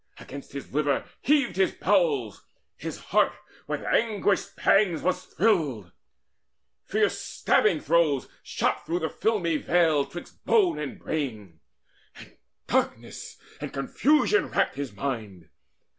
Against his liver heaved his bowels; his heart With anguished pangs was thrilled; fierce stabbing throes Shot through the filmy veil 'twixt bone and brain; And darkness and confusion wrapped his mind.